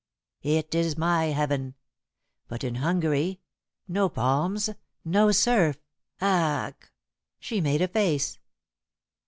It is my heaven. But in Hungary no palms, no surf. Ach!" She made a face.